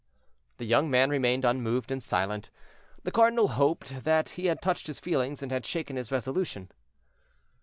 The young man remained unmoved and silent. The cardinal hoped that he had touched his feelings, and had shaken his resolution.